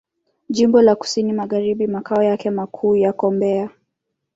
Jimbo la Kusini Magharibi Makao yake makuu yako Mbeya.